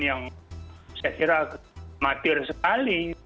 yang saya kira matir sekali